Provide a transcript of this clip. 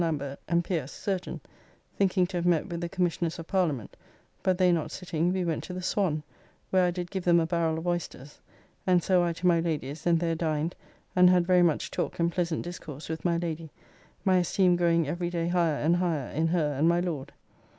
Lambert, and Pierce, surgeon, thinking to have met with the Commissioners of Parliament, but they not sitting, we went to the Swan, where I did give them a barrel of oysters; and so I to my Lady's and there dined, and had very much talk and pleasant discourse with my Lady, my esteem growing every day higher and higher in her and my Lord.